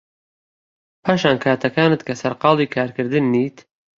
پاشان کاتەکانت کە سەرقاڵی کارکردن نیت